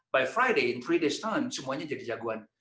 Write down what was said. pada hari jumat tiga hari semuanya jadi jagoan